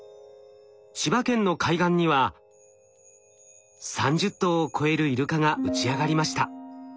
千葉県の海岸には３０頭を超えるイルカが打ち上がりました。